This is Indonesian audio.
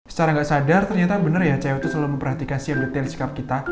secara gak sadar ternyata bener ya cewek tuh selalu memperhatikan siap detail sikap kita